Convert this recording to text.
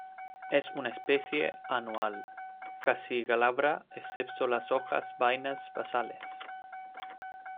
Es una especie anual, casi glabra excepto las hoja-vainas basales.